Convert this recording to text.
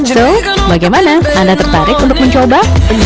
so bagaimana anda tertarik untuk mencoba